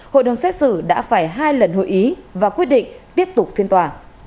hội đồng xét xử đã phải hai lần hội ý và quyết định tiếp tục phiên tòa